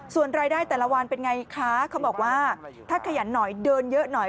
ส่วนรายได้แต่ละวันเป็นไงคะเขาบอกว่าถ้าขยันหน่อยเดินเยอะหน่อย